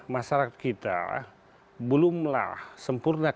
masyarakat kita belumlah sempurna